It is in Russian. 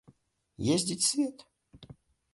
Ездить в свет?